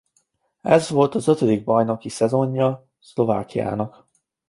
Ez volt az ötödik bajnoki szezonja Szlovákiának.